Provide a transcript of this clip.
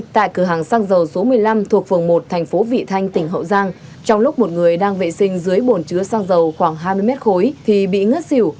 thành phố vị thanh tỉnh hậu giang trong lúc một người đang vệ sinh dưới bồn chứa xăng dầu khoảng hai mươi m khối thì bị ngất xỉu